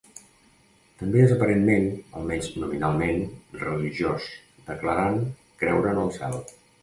També és aparentment, almenys nominalment, religiós, declarant creure en el cel.